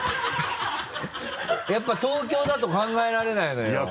やっぱり東京だと考えられないのよ。